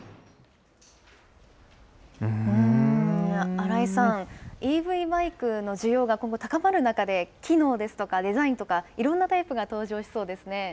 新井さん、ＥＶバイクの需要が今後、高まる中で、機能ですとかデザインとか、いろんなタイプが登場しそうですね。